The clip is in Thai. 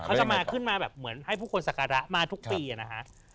เขาจะมาขึ้นมาแบบเหมือนให้ผู้คนสักการะมาทุกปีนะฮะ